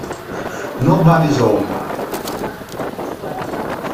Nobody's Home